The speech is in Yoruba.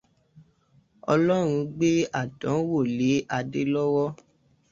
Ọlọ́run gbé àdánwó lé Adé lọ́wọ́.